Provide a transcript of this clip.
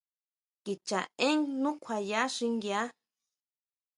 Kicha én nukjuaya xinguia.